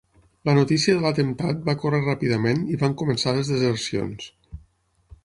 La notícia de l'atemptat va córrer ràpidament i van començar les desercions.